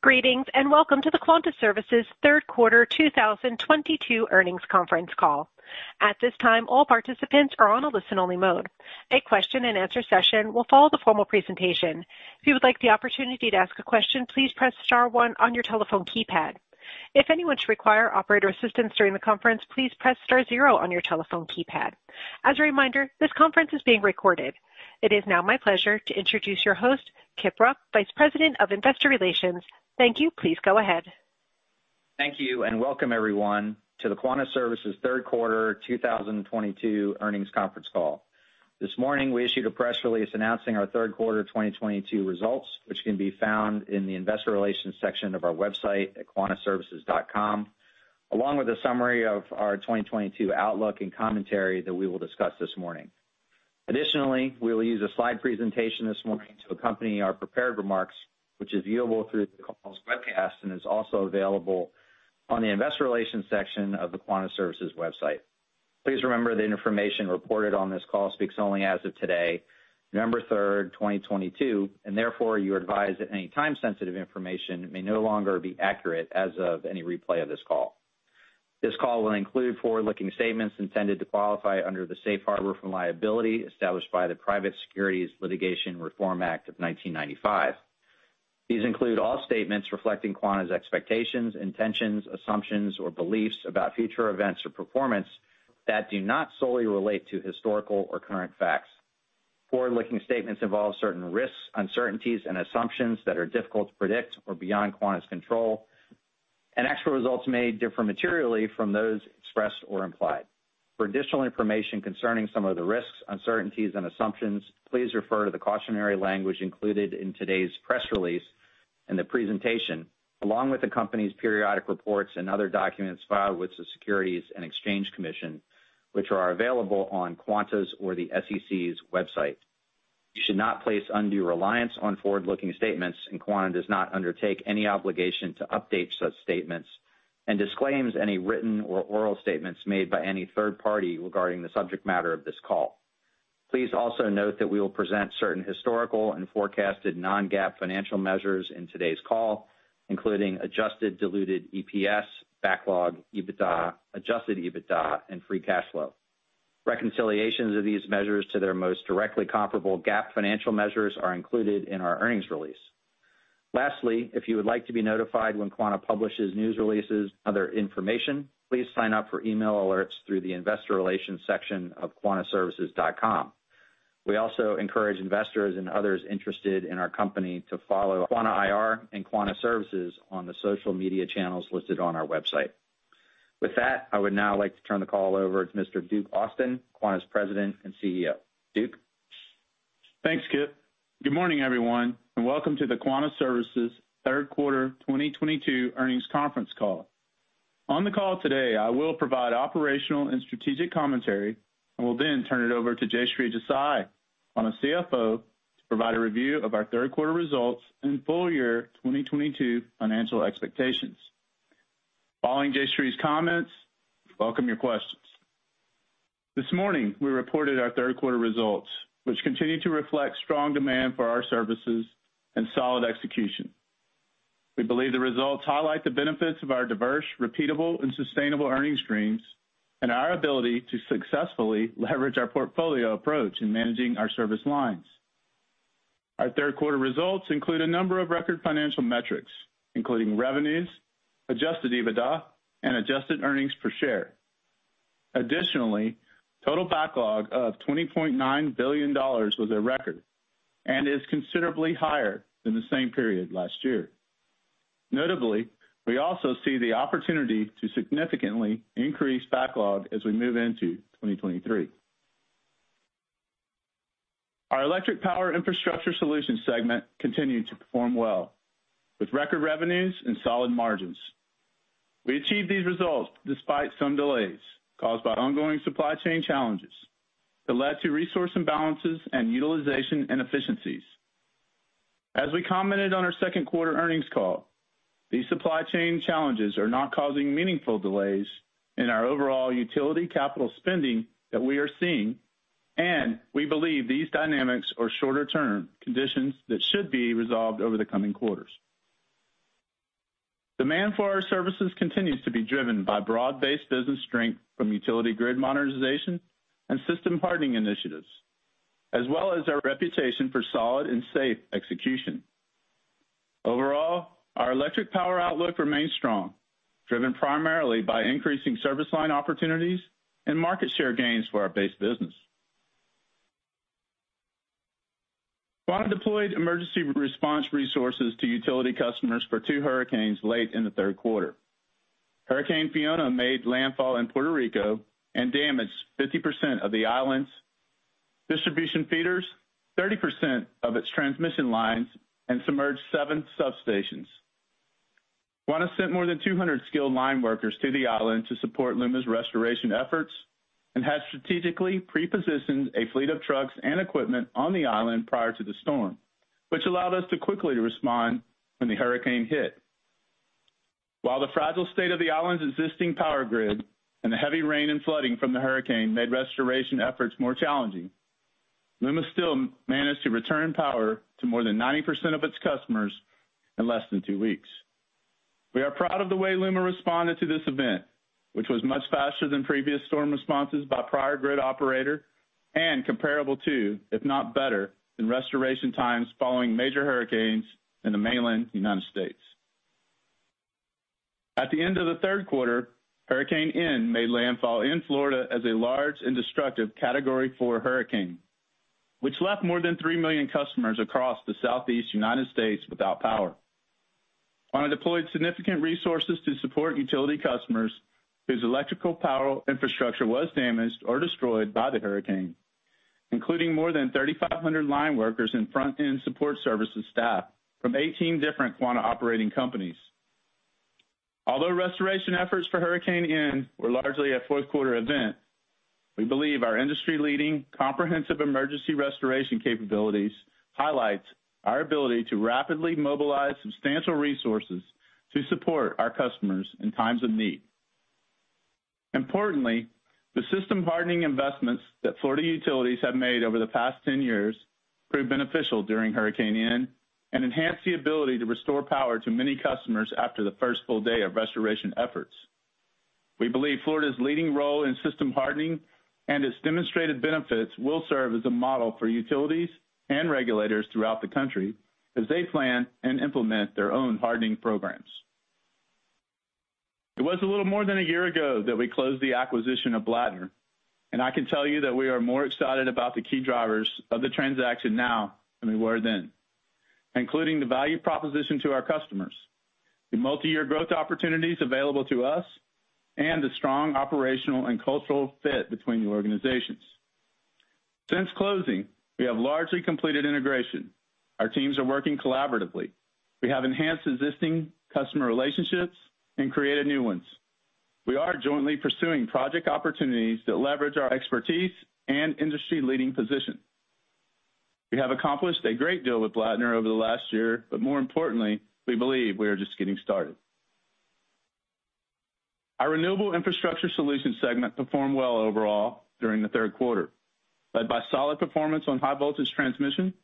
Greetings, and welcome to the Quanta Services Third Quarter 2022 Earnings Conference Call. At this time, all participants are on a listen-only mode. A question-and-answer session will follow the formal presentation. If you would like the opportunity to ask a question, please press star one on your telephone keypad. If anyone should require operator assistance during the conference, please press star zero on your telephone keypad. As a reminder, this conference is being recorded. It is now my pleasure to introduce your host, Kip Rupp, Vice President of Investor Relations. Thank you. Please go ahead. Thank you and welcome everyone to the Quanta Services Third Quarter 2022 Earnings Conference Call. This morning, we issued a press release announcing our third quarter 2022 results, which can be found in the Investor Relations section of our website at quantaservices.com, along with a summary of our 2022 outlook and commentary that we will discuss this morning. Additionally, we'll use a slide presentation this morning to accompany our prepared remarks, which is viewable through the call's webcast and is also available on the Investor Relations section of the Quanta Services website. Please remember the information reported on this call speaks only as of today, November 3rd, 2022, and therefore you're advised that any time-sensitive information may no longer be accurate as of any replay of this call. This call will include forward-looking statements intended to qualify under the Safe Harbor from liability established by the Private Securities Litigation Reform Act of 1995. These include all statements reflecting Quanta's expectations, intentions, assumptions, or beliefs about future events or performance that do not solely relate to historical or current facts. Forward-looking statements involve certain risks, uncertainties, and assumptions that are difficult to predict or beyond Quanta's control. Actual results may differ materially from those expressed or implied. For additional information concerning some of the risks, uncertainties, and assumptions, please refer to the cautionary language included in today's press release and the presentation, along with the company's periodic reports and other documents filed with the Securities and Exchange Commission, which are available on Quanta's or the SEC's website. You should not place undue reliance on forward-looking statements, and Quanta does not undertake any obligation to update such statements and disclaims any written or oral statements made by any third party regarding the subject matter of this call. Please also note that we will present certain historical and forecasted non-GAAP financial measures in today's call, including adjusted diluted EPS, backlog, EBITDA, adjusted EBITDA, and free cash flow. Reconciliations of these measures to their most directly comparable GAAP financial measures are included in our earnings release. Lastly, if you would like to be notified when Quanta publishes news releases and other information, please sign up for email alerts through the Investor Relations section of quantaservices.com. We also encourage investors and others interested in our company to follow Quanta IR and Quanta Services on the social media channels listed on our website. With that, I would now like to turn the call over to Mr. Duke Austin, Quanta's President and CEO. Duke? Thanks, Kip. Good morning, everyone, and welcome to the Quanta Services third quarter 2022 earnings conference call. On the call today, I will provide operational and strategic commentary, and will then turn it over to Jayshree Desai, Quanta CFO, to provide a review of our third quarter results and full-year 2022 financial expectations. Following Jayshree's comments, we welcome your questions. This morning, we reported our third quarter results, which continue to reflect strong demand for our services and solid execution. We believe the results highlight the benefits of our diverse, repeatable, and sustainable earnings streams and our ability to successfully leverage our portfolio approach in managing our service lines. Our third quarter results include a number of record financial metrics, including revenues, adjusted EBITDA, and adjusted earnings per share. Additionally, total backlog of $20.9 billion was a record and is considerably higher than the same period last year. Notably, we also see the opportunity to significantly increase backlog as we move into 2023. Our electric power infrastructure solutions segment continued to perform well with record revenues and solid margins. We achieved these results despite some delays caused by ongoing supply chain challenges that led to resource imbalances and utilization inefficiencies. As we commented on our second quarter earnings call, these supply chain challenges are not causing meaningful delays in our overall utility capital spending that we are seeing, and we believe these dynamics are shorter term conditions that should be resolved over the coming quarters. Demand for our services continues to be driven by broad-based business strength from utility grid modernization and system hardening initiatives, as well as our reputation for solid and safe execution. Overall, our electric power outlook remains strong, driven primarily by increasing service line opportunities and market share gains for our base business. Quanta deployed emergency response resources to utility customers for two hurricanes late in the third quarter. Hurricane Fiona made landfall in Puerto Rico and damaged 50% of the island's distribution feeders, 30% of its transmission lines, and submerged seven substations. Quanta sent more than 200 skilled line workers to the island to support LUMA's restoration efforts and had strategically pre-positioned a fleet of trucks and equipment on the island prior to the storm, which allowed us to quickly respond when the hurricane hit. While the fragile state of the island's existing power grid and the heavy rain and flooding from the hurricane made restoration efforts more challenging, LUMA still managed to return power to more than 90% of its customers in less than two weeks. We are proud of the way LUMA responded to this event, which was much faster than previous storm responses by prior grid operator and comparable to, if not better, than restoration times following major hurricanes in the mainland United States. At the end of the third quarter, Hurricane Ian made landfall in Florida as a large and destructive Category 4 hurricane, which left more than 3 million customers across the Southeast United States without power. Quanta deployed significant resources to support utility customers whose electrical power infrastructure was damaged or destroyed by the hurricane, including more than 3,500 line workers and front-end support services staff from 18 different Quanta operating companies. Although restoration efforts for Hurricane Ian were largely a fourth quarter event, we believe our industry-leading comprehensive emergency restoration capabilities highlights our ability to rapidly mobilize substantial resources to support our customers in times of need. Importantly, the system hardening investments that Florida utilities have made over the past 10 years proved beneficial during Hurricane Ian and enhanced the ability to restore power to many customers after the first full day of restoration efforts. We believe Florida's leading role in system hardening and its demonstrated benefits will serve as a model for utilities and regulators throughout the country as they plan and implement their own hardening programs. It was a little more than a year ago that we closed the acquisition of Blattner, and I can tell you that we are more excited about the key drivers of the transaction now than we were then, including the value proposition to our customers, the multi-year growth opportunities available to us, and the strong operational and cultural fit between the organizations. Since closing, we have largely completed integration. Our teams are working collaboratively. We have enhanced existing customer relationships and created new ones. We are jointly pursuing project opportunities that leverage our expertise and industry-leading position. We have accomplished a great deal with Blattner over the last year, but more importantly, we believe we are just getting started. Our renewable infrastructure solutions segment performed well overall during the third quarter, led by solid performance on high-voltage transmission,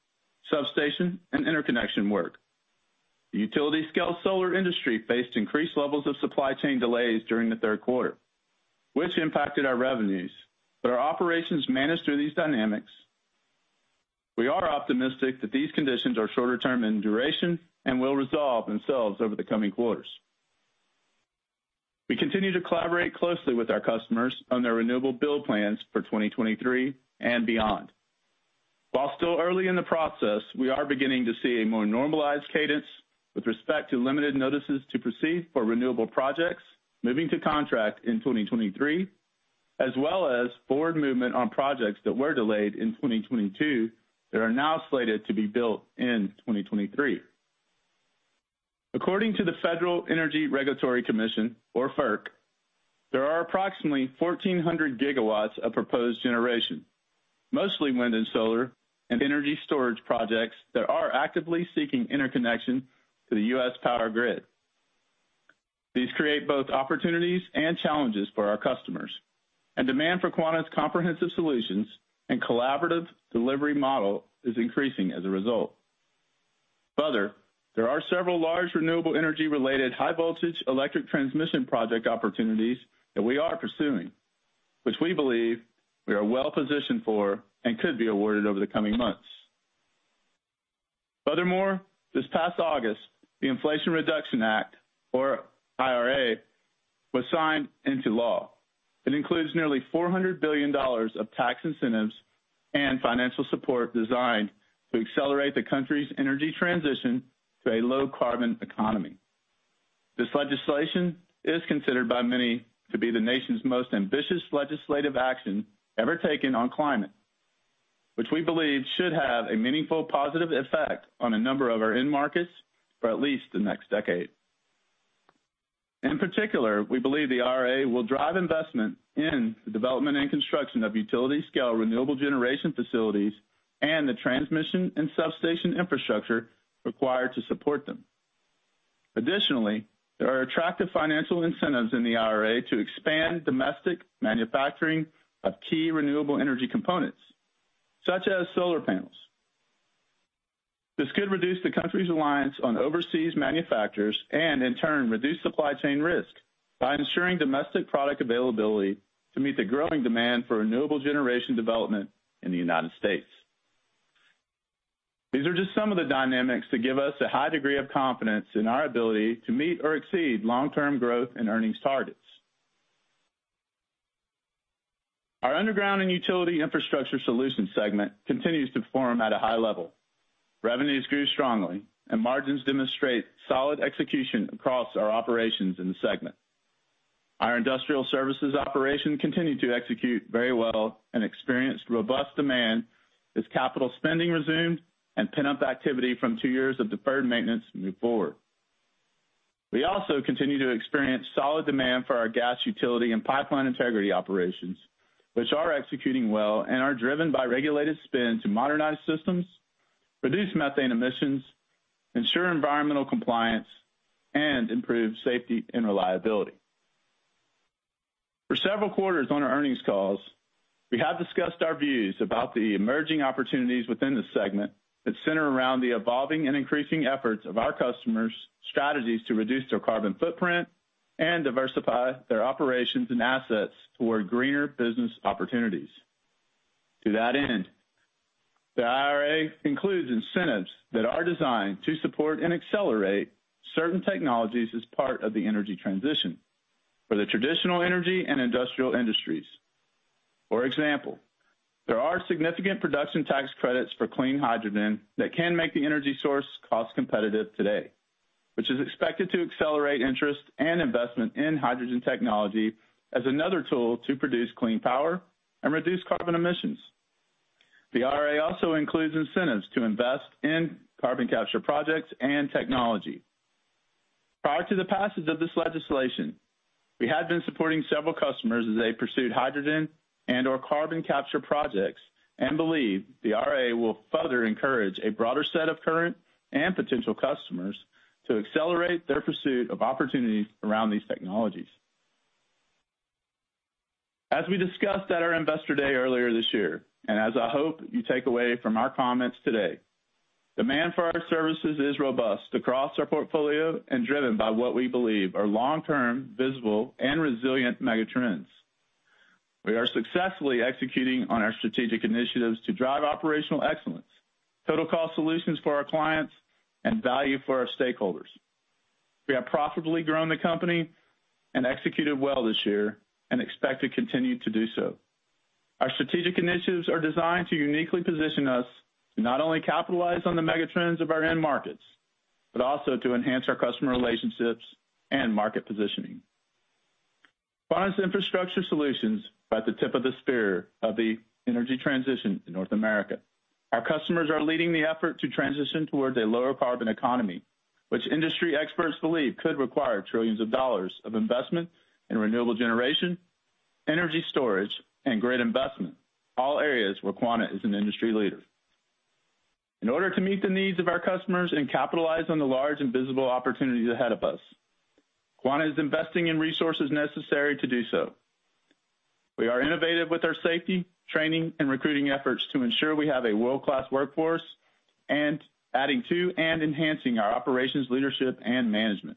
substation, and interconnection work. The utility scale solar industry faced increased levels of supply chain delays during the third quarter, which impacted our revenues, but our operations managed through these dynamics. We are optimistic that these conditions are shorter term in duration and will resolve themselves over the coming quarters. We continue to collaborate closely with our customers on their renewable build plans for 2023 and beyond. While still early in the process, we are beginning to see a more normalized cadence with respect to limited notices to proceed for renewable projects moving to contract in 2023, as well as forward movement on projects that were delayed in 2022 that are now slated to be built in 2023. According to the Federal Energy Regulatory Commission, or FERC, there are approximately 1,400 GW of proposed generation, mostly wind and solar and energy storage projects that are actively seeking interconnection to the U.S. power grid. These create both opportunities and challenges for our customers, and demand for Quanta's comprehensive solutions and collaborative delivery model is increasing as a result. Further, there are several large renewable energy-related high-voltage electric transmission project opportunities that we are pursuing, which we believe we are well-positioned for and could be awarded over the coming months. Furthermore, this past August, the Inflation Reduction Act, or IRA, was signed into law. It includes nearly $400 billion of tax incentives and financial support designed to accelerate the country's energy transition to a low-carbon economy. This legislation is considered by many to be the nation's most ambitious legislative action ever taken on climate, which we believe should have a meaningful positive effect on a number of our end markets for at least the next decade. In particular, we believe the IRA will drive investment in the development and construction of utility-scale renewable generation facilities and the transmission and substation infrastructure required to support them. Additionally, there are attractive financial incentives in the IRA to expand domestic manufacturing of key renewable energy components, such as solar panels. This could reduce the country's reliance on overseas manufacturers and in turn, reduce supply chain risk by ensuring domestic product availability to meet the growing demand for renewable generation development in the United States. These are just some of the dynamics that give us a high degree of confidence in our ability to meet or exceed long-term growth and earnings targets. Our underground and utility infrastructure solutions segment continues to perform at a high level. Revenues grew strongly and margins demonstrate solid execution across our operations in the segment. Our industrial services operation continued to execute very well and experienced robust demand as capital spending resumed and turn-up activity from two years of deferred maintenance moved forward. We also continue to experience solid demand for our gas utility and pipeline integrity operations, which are executing well and are driven by regulated spend to modernize systems, reduce methane emissions, ensure environmental compliance, and improve safety and reliability. For several quarters on our earnings calls, we have discussed our views about the emerging opportunities within the segment that center around the evolving and increasing efforts of our customers' strategies to reduce their carbon footprint and diversify their operations and assets toward greener business opportunities. To that end, the IRA includes incentives that are designed to support and accelerate certain technologies as part of the energy transition for the traditional energy and industrial industries. For example, there are significant production tax credits for clean hydrogen that can make the energy source cost-competitive today, which is expected to accelerate interest and investment in hydrogen technology as another tool to produce clean power and reduce carbon emissions. The IRA also includes incentives to invest in carbon capture projects and technology. Prior to the passage of this legislation, we had been supporting several customers as they pursued hydrogen and/or carbon capture projects and believe the IRA will further encourage a broader set of current and potential customers to accelerate their pursuit of opportunities around these technologies. As we discussed at our Investor Day earlier this year, and as I hope you take away from our comments today, demand for our services is robust across our portfolio and driven by what we believe are long-term, visible, and resilient megatrends. We are successfully executing on our strategic initiatives to drive operational excellence, total cost solutions for our clients, and value for our stakeholders. We have profitably grown the company and executed well this year and expect to continue to do so. Our strategic initiatives are designed to uniquely position us to not only capitalize on the megatrends of our end markets, but also to enhance our customer relationships and market positioning. Quanta's infrastructure solutions are at the tip of the spear of the energy transition in North America. Our customers are leading the effort to transition toward a lower carbon economy, which industry experts believe could require trillions of dollars of investment in renewable generation, energy storage, and grid investment, all areas where Quanta is an industry leader. In order to meet the needs of our customers and capitalize on the large and visible opportunities ahead of us, Quanta is investing in resources necessary to do so. We are innovative with our safety, training, and recruiting efforts to ensure we have a world-class workforce and adding to and enhancing our operations, leadership, and management.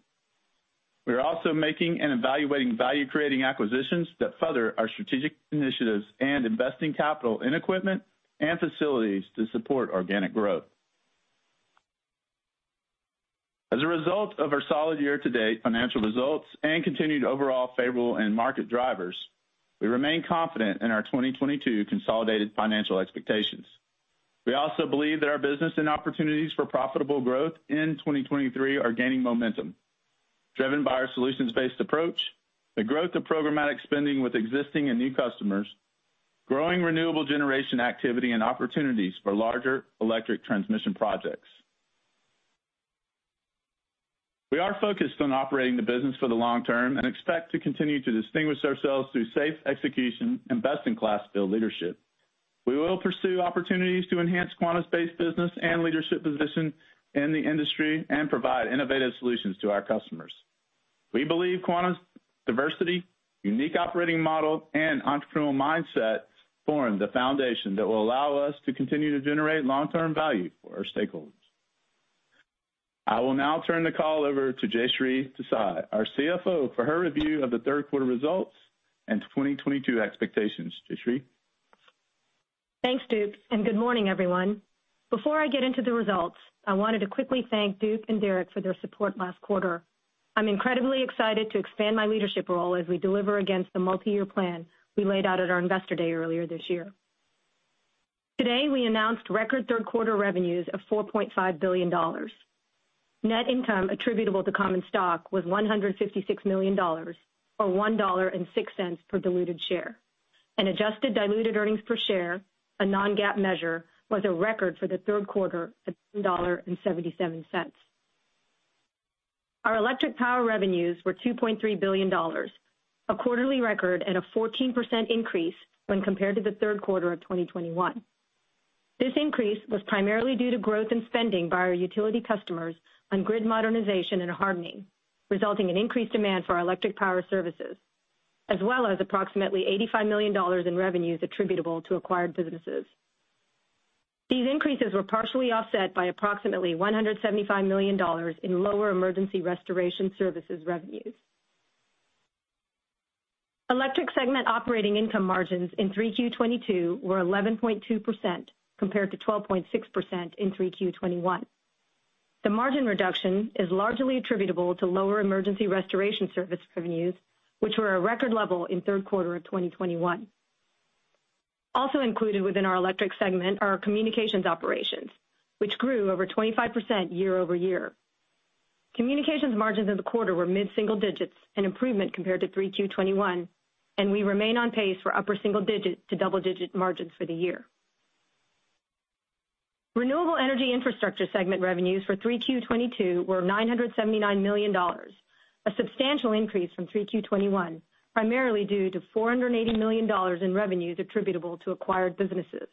We are also making and evaluating value-creating acquisitions that further our strategic initiatives and investing capital in equipment and facilities to support organic growth. As a result of our solid year-to-date financial results and continued overall favorable end market drivers, we remain confident in our 2022 consolidated financial expectations. We also believe that our business and opportunities for profitable growth in 2023 are gaining momentum, driven by our solutions-based approach, the growth of programmatic spending with existing and new customers, growing renewable generation activity, and opportunities for larger electric transmission projects. We are focused on operating the business for the long term and expect to continue to distinguish ourselves through safe execution and best-in-class field leadership. We will pursue opportunities to enhance Quanta's base business and leadership position in the industry and provide innovative solutions to our customers. We believe Quanta's diversity, unique operating model, and entrepreneurial mindset form the foundation that will allow us to continue to generate long-term value for our stakeholders. I will now turn the call over to Jayshree Desai, our CFO, for her review of the third quarter results and 2022 expectations. Jayshree? Thanks, Duke, and good morning, everyone. Before I get into the results, I wanted to quickly thank Duke and Derrick for their support last quarter. I'm incredibly excited to expand my leadership role as we deliver against the multiyear plan we laid out at our Investor Day earlier this year. Today, we announced record third quarter revenues of $4.5 billion. Net income attributable to common stock was $156 million, or $1.06 per diluted share. Adjusted diluted earnings per share, a non-GAAP measure, was a record for the third quarter at $1.77. Our electric power revenues were $2.3 billion, a quarterly record and a 14% increase when compared to the third quarter of 2021. This increase was primarily due to growth in spending by our utility customers on grid modernization and hardening, resulting in increased demand for our electric power services, as well as approximately $85 million in revenues attributable to acquired businesses. These increases were partially offset by approximately $175 million in lower emergency restoration services revenues. Electric segment operating income margins in 3Q 2022 were 11.2% compared to 12.6% in 3Q 2021. The margin reduction is largely attributable to lower emergency restoration service revenues, which were a record level in third quarter of 2021. Also included within our electric segment are our communications operations, which grew over 25% year-over-year. Communications margins in the quarter were mid-single-digits, an improvement compared to 3Q 2021, and we remain on pace for upper single-digit to double-digit margins for the year. Renewable energy infrastructure segment revenues for 3Q 2022 were $979 million. A substantial increase from 3Q 2021, primarily due to $480 million in revenues attributable to acquired businesses.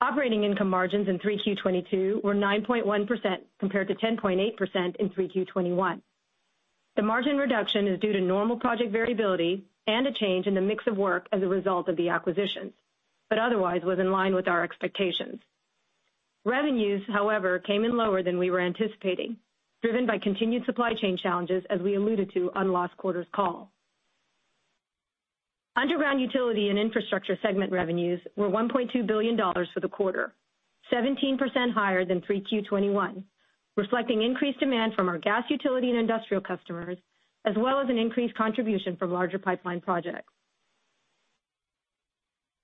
Operating income margins in 3Q 2022 were 9.1% compared to 10.8% in 3Q 2021. The margin reduction is due to normal project variability and a change in the mix of work as a result of the acquisitions, but otherwise was in line with our expectations. Revenues, however, came in lower than we were anticipating, driven by continued supply chain challenges, as we alluded to on last quarter's call. Underground utility and infrastructure segment revenues were $1.2 billion for the quarter, 17% higher than 3Q 2021, reflecting increased demand from our gas utility and industrial customers, as well as an increased contribution from larger pipeline projects.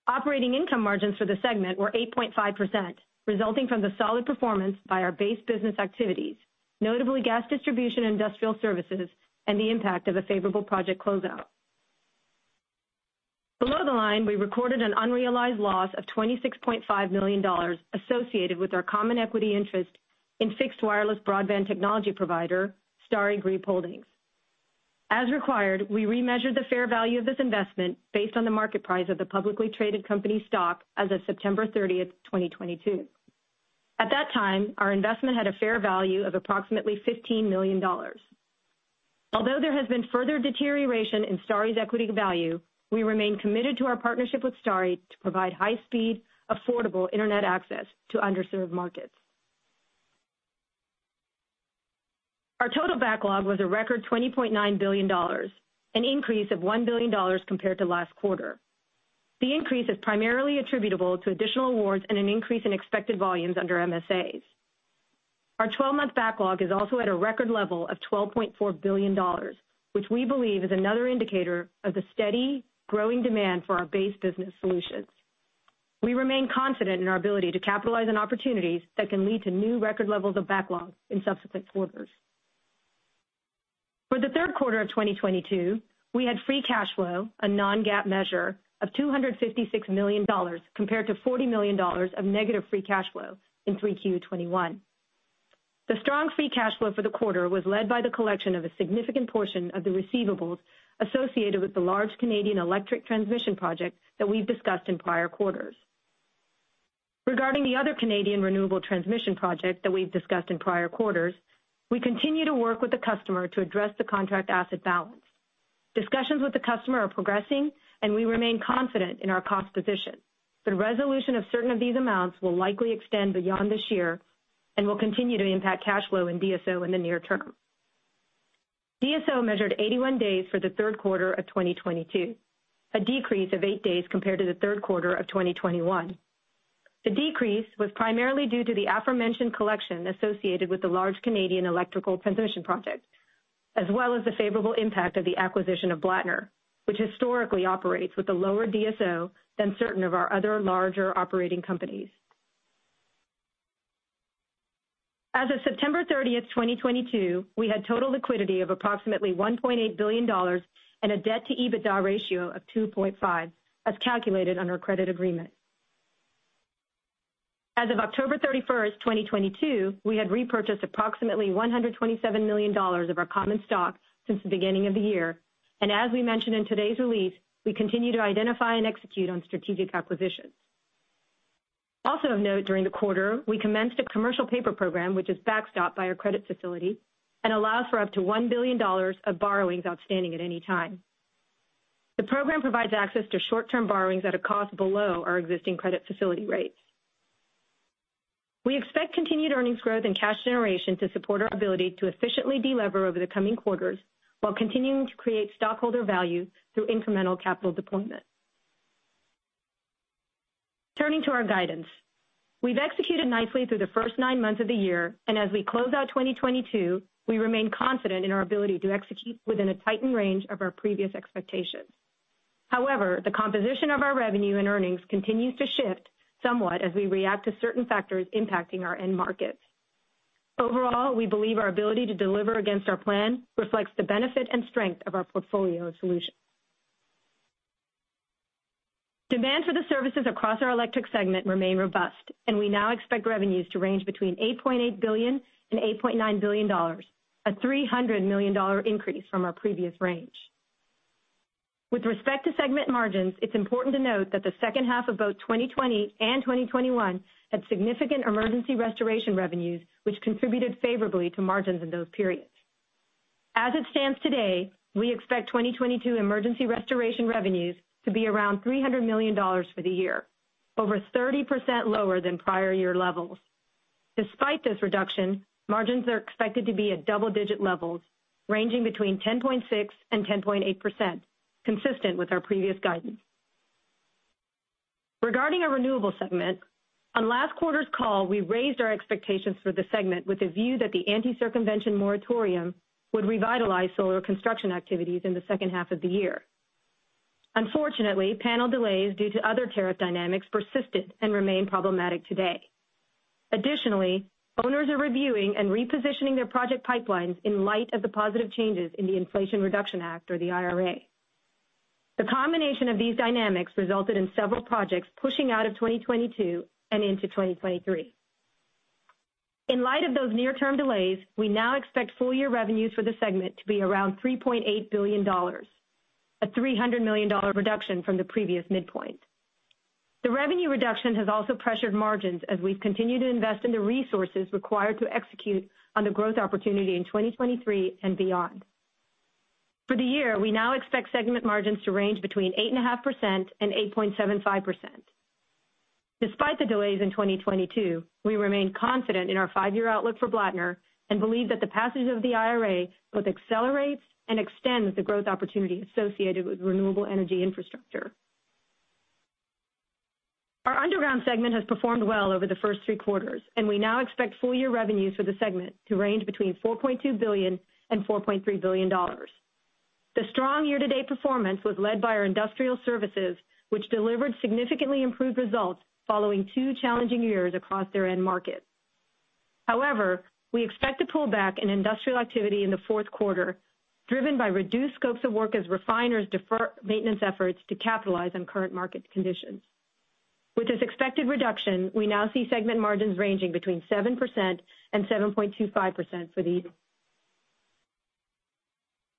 Operating income margins for the segment were 8.5%, resulting from the solid performance by our base business activities, notably gas distribution and industrial services, and the impact of a favorable project closeout. Below the line, we recorded an unrealized loss of $26.5 million associated with our common equity interest in fixed wireless broadband technology provider, Starry Group Holdings. As required, we remeasured the fair value of this investment based on the market price of the publicly traded company's stock as of September 30th, 2022. At that time, our investment had a fair value of approximately $15 million. Although there has been further deterioration in Starry's equity value, we remain committed to our partnership with Starry to provide high-speed, affordable internet access to underserved markets. Our total backlog was a record $20.9 billion, an increase of $1 billion compared to last quarter. The increase is primarily attributable to additional awards and an increase in expected volumes under MSAs. Our 12-month backlog is also at a record level of $12.4 billion, which we believe is another indicator of the steady growing demand for our base business solutions. We remain confident in our ability to capitalize on opportunities that can lead to new record levels of backlog in subsequent quarters. For the third quarter of 2022, we had free cash flow, a non-GAAP measure, of $256 million compared to $40 million of negative free cash flow in 3Q 2021. The strong free cash flow for the quarter was led by the collection of a significant portion of the receivables associated with the large Canadian electric transmission project that we've discussed in prior quarters. Regarding the other Canadian renewable transmission project that we've discussed in prior quarters, we continue to work with the customer to address the contract asset balance. Discussions with the customer are progressing, and we remain confident in our cost position. The resolution of certain of these amounts will likely extend beyond this year and will continue to impact cash flow and DSO in the near term. DSO measured 81 days for the third quarter of 2022, a decrease of eight days compared to the third quarter of 2021. The decrease was primarily due to the aforementioned collection associated with the large Canadian electrical transmission project, as well as the favorable impact of the acquisition of Blattner, which historically operates with a lower DSO than certain of our other larger operating companies. As of September 30th, 2022, we had total liquidity of approximately $1.8 billion and a debt-to-EBITDA ratio of 2.5, as calculated on our credit agreement. As of October 31st, 2022, we had repurchased approximately $127 million of our common stock since the beginning of the year. As we mentioned in today's release, we continue to identify and execute on strategic acquisitions. Also of note during the quarter, we commenced a commercial paper program which is backstopped by our credit facility and allows for up to $1 billion of borrowings outstanding at any time. The program provides access to short-term borrowings at a cost below our existing credit facility rates. We expect continued earnings growth and cash generation to support our ability to efficiently de-lever over the coming quarters while continuing to create stockholder value through incremental capital deployment. Turning to our guidance. We've executed nicely through the first nine months of the year, and as we close out 2022, we remain confident in our ability to execute within a tightened range of our previous expectations. However, the composition of our revenue and earnings continues to shift somewhat as we react to certain factors impacting our end markets. Overall, we believe our ability to deliver against our plan reflects the benefit and strength of our portfolio of solutions. Demand for the services across our electric segment remain robust, and we now expect revenues to range between $8.8 billion and $8.9 billion, a $300 million increase from our previous range. With respect to segment margins, it's important to note that the second half of both 2020 and 2021 had significant emergency restoration revenues which contributed favorably to margins in those periods. As it stands today, we expect 2022 emergency restoration revenues to be around $300 million for the year, over 30% lower than prior year levels. Despite this reduction, margins are expected to be at double-digit levels, ranging between 10.6% and 10.8%, consistent with our previous guidance. Regarding our renewables segment, on last quarter's call, we raised our expectations for the segment with a view that the anti-circumvention moratorium would revitalize solar construction activities in the second half of the year. Unfortunately, panel delays due to other tariff dynamics persisted and remain problematic today. Additionally, owners are reviewing and repositioning their project pipelines in light of the positive changes in the Inflation Reduction Act, or the IRA. The combination of these dynamics resulted in several projects pushing out of 2022 and into 2023. In light of those near-term delays, we now expect full-year revenues for the segment to be around $3.8 billion, a $300 million reduction from the previous midpoint. The revenue reduction has also pressured margins as we've continued to invest in the resources required to execute on the growth opportunity in 2023 and beyond. For the year, we now expect segment margins to range between 8.5% and 8.75%. Despite the delays in 2022, we remain confident in our five year outlook for Blattner and believe that the passage of the IRA both accelerates and extends the growth opportunity associated with renewable energy infrastructure. Our underground segment has performed well over the first three quarters, and we now expect full-year revenues for the segment to range between $4.2 billion and $4.3 billion. The strong year-to-date performance was led by our industrial services, which delivered significantly improved results following two challenging years across their end markets. However, we expect to pull back in industrial activity in the fourth quarter, driven by reduced scopes of work as refiners defer maintenance efforts to capitalize on current market conditions. With this expected reduction, we now see segment margins ranging between 7% and 7.25% for the year.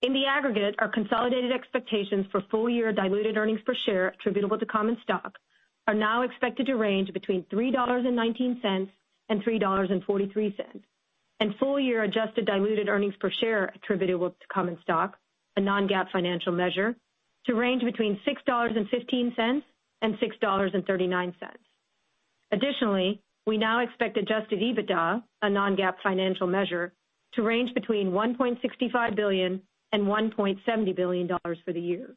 In the aggregate, our consolidated expectations for full-year diluted earnings per share attributable to common stock are now expected to range between $3.19 and $3.43. Full-year adjusted diluted earnings per share attributable to common stock, a non-GAAP financial measure, to range between $6.15 and $6.39. Additionally, we now expect adjusted EBITDA, a non-GAAP financial measure, to range between $1.65 billion and $1.70 billion for the year.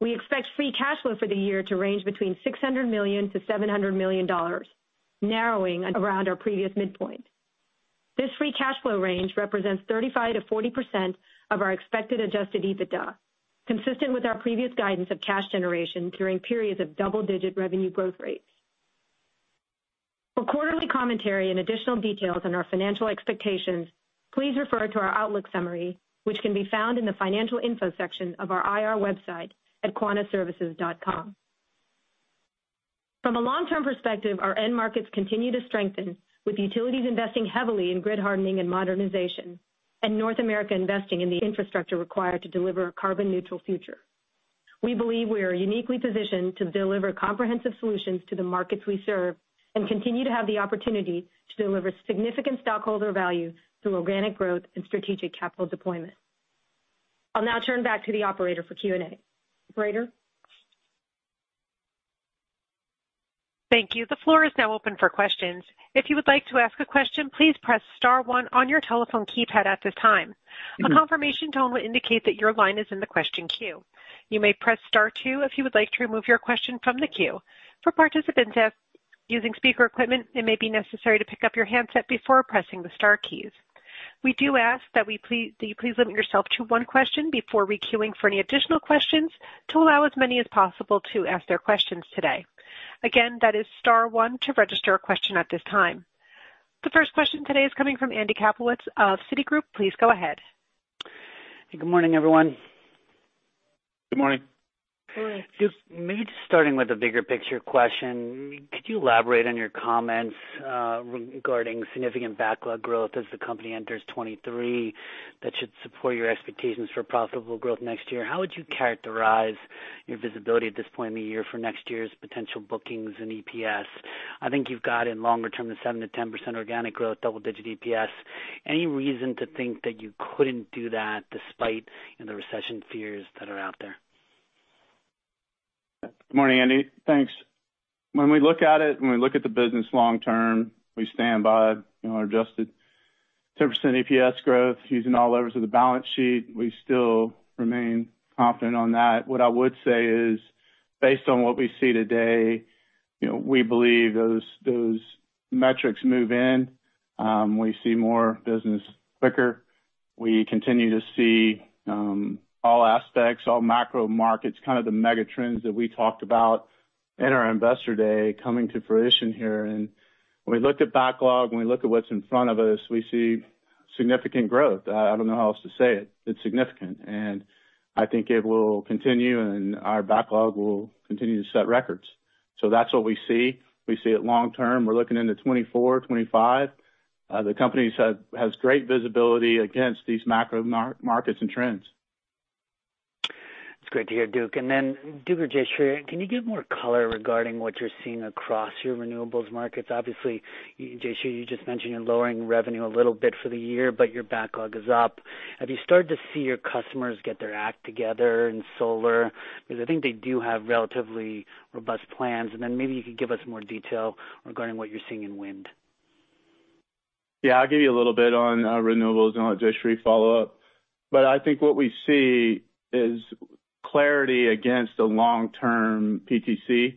We expect free cash flow for the year to range between $600 million-$700 million, narrowing around our previous midpoint. This free cash flow range represents 35%-40% of our expected adjusted EBITDA, consistent with our previous guidance of cash generation during periods of double-digit revenue growth rates. For quarterly commentary and additional details on our financial expectations, please refer to our outlook summary, which can be found in the financial info section of our IR website at quantaservices.com. From a long-term perspective, our end markets continue to strengthen, with utilities investing heavily in grid hardening and modernization, and North America investing in the infrastructure required to deliver a carbon neutral future. We believe we are uniquely positioned to deliver comprehensive solutions to the markets we serve and continue to have the opportunity to deliver significant stockholder value through organic growth and strategic capital deployment. I'll now turn back to the operator for Q&A. Operator? Thank you. The floor is now open for questions. If you would like to ask a question, please press star one on your telephone keypad at this time. A confirmation tone will indicate that your line is in the question queue. You may press star two if you would like to remove your question from the queue. For participants using speaker equipment, it may be necessary to pick up your handset before pressing the star keys. We do ask that you please limit yourself to one question before re-queuing for any additional questions to allow as many as possible to ask their questions today. Again, that is star one to register a question at this time. The first question today is coming from Andy Kaplowitz of Citigroup. Please go ahead. Good morning, everyone. Good morning. Good morning. Just maybe starting with a bigger picture question, could you elaborate on your comments regarding significant backlog growth as the company enters 2023 that should support your expectations for profitable growth next year? How would you characterize your visibility at this point in the year for next year's potential bookings and EPS? I think you've got in longer term the 7%-10% organic growth, double-digit EPS. Any reason to think that you couldn't do that despite the recession fears that are out there? Good morning, Andy. Thanks. When we look at the business long term, we stand by our adjusted 10% EPS growth using all levers of the balance sheet. We still remain confident on that. What I would say is, based on what we see today, you know, we believe those metrics move in. We see more business quicker. We continue to see all aspects, all macro markets, kind of the megatrends that we talked about in our Investor Day coming to fruition here. When we look at backlog, when we look at what's in front of us, we see significant growth. I don't know how else to say it. It's significant, and I think it will continue, and our backlog will continue to set records. That's what we see. We see it long term. We're looking into 2024, 2025. The company has great visibility against these macro markets and trends. That's great to hear, Duke. Duke or Jayshree, can you give more color regarding what you're seeing across your renewables markets? Obviously, Jayshree, you just mentioned you're lowering revenue a little bit for the year, but your backlog is up. Have you started to see your customers get their act together in solar? Because I think they do have relatively robust plans. Maybe you could give us more detail regarding what you're seeing in wind. Yeah, I'll give you a little bit on renewables and let Jayshree follow up. I think what we see is clarity against the long-term PTC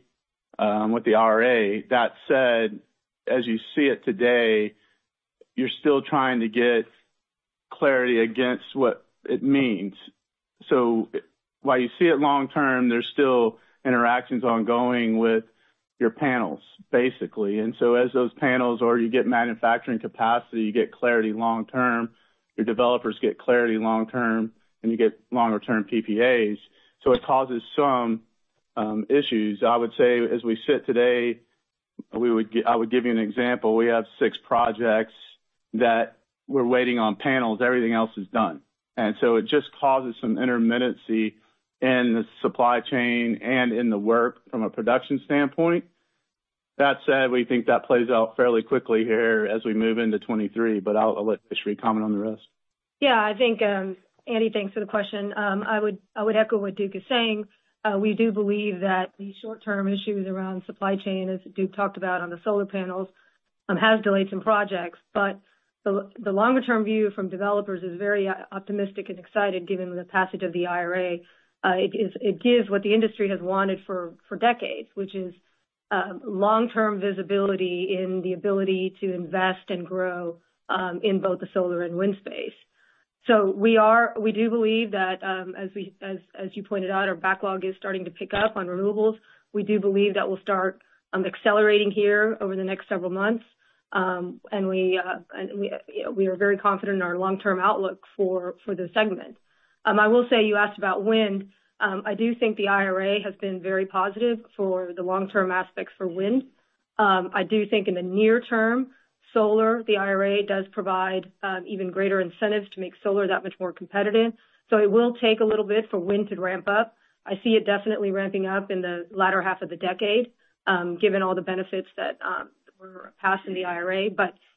with the IRA. That said, as you see it today, you're still trying to get clarity against what it means. While you see it long term, there's still interactions ongoing with your panels, basically. As those panels or you get manufacturing capacity, you get clarity long term, your developers get clarity long term, and you get longer-term PPAs. It causes some issues. I would say as we sit today, I would give you an example. We have six projects that we're waiting on panels. Everything else is done. It just causes some intermittency in the supply chain and in the work from a production standpoint. That said, we think that plays out fairly quickly here as we move into 2023, but I'll let Jayshree comment on the rest. Yeah, I think, Andy, thanks for the question. I would echo what Duke is saying. We do believe that the short-term issues around supply chain, as Duke talked about on the solar panels, has delayed some projects. The longer-term view from developers is very optimistic and exciting given the passage of the IRA. It gives what the industry has wanted for decades, which is long-term visibility in the ability to invest and grow in both the solar and wind space. We do believe that, as you pointed out, our backlog is starting to pick up on renewables. We do believe that we'll start accelerating here over the next several months. We are very confident in our long-term outlook for the segment. I will say you asked about wind. I do think the IRA has been very positive for the long-term aspects for wind. I do think in the near term, solar, the IRA does provide even greater incentives to make solar that much more competitive. It will take a little bit for wind to ramp up. I see it definitely ramping up in the latter half of the decade, given all the benefits that were passed in the IRA.